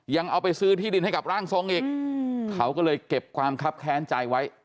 ยังเอาไปซื้อที่ดินให้กับร่างทรงอีกเขาก็เลยเก็บความคับแค้นใจไว้